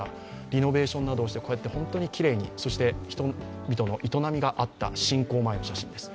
リノベーションなどをして本当にきれいに、そして人々の営みがあった侵攻前の写真です。